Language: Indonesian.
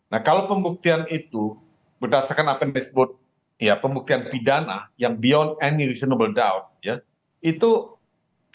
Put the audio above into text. nah kalau pembuktian itu berdasarkan apa yang disebut pembuktian pidana yang beyond any reasonable doubt